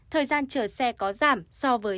thời gian chở xe có giảm so với